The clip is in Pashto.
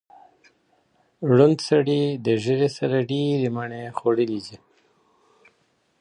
ړوند سړي د ږیري سره ډېري مڼې خوړلې دي.